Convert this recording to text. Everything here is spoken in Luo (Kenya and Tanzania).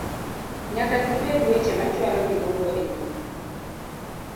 nyaka gibed weche machwalo gimoro e nyime